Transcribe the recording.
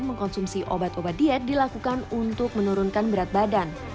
mengkonsumsi obat obat diet dilakukan untuk menurunkan berat badan